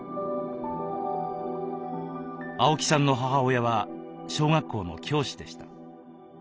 青木さんの母親は小学校の教師でした。